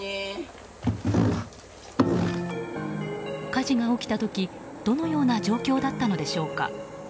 火事が起きた時、どのような状況だったのでしょうか。